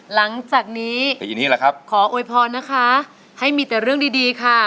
หลังจากนี้ปีนี้แหละครับขอโวยพรนะคะให้มีแต่เรื่องดีดีค่ะ